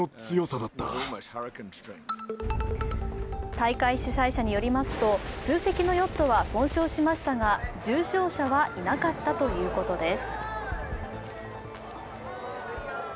大会主催者によりますと数隻のヨットは損傷しましたが重傷者はいなかったということです。